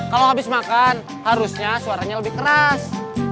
kalau habis makan harusnya suaranya lebih keras